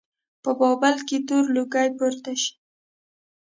په بابل کې تور لوګی پورته شي.